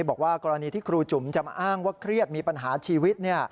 บอกว่ากรณีที่ครูจุ๋มจะมาอ้างว่าเครียดมีปัญหาชีวิต